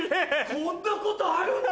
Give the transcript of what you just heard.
こんなことあるんだ！